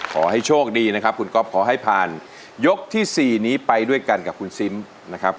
ขอให้โชคดีนะครับคุณก๊อฟขอให้ผ่านยกที่๔นี้ไปด้วยกันกับคุณซิมนะครับ